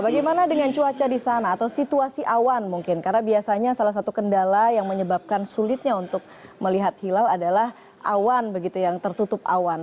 bagaimana dengan cuaca di sana atau situasi awan mungkin karena biasanya salah satu kendala yang menyebabkan sulitnya untuk melihat hilal adalah awan begitu yang tertutup awan